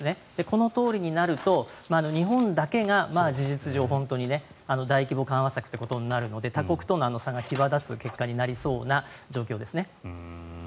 このとおりになると日本だけが事実上、本当に大規模緩和策ということになるので他国との差が際立つ結果になりそうな状況ですね。